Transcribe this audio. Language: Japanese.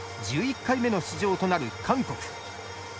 １１回目の出場となる韓国。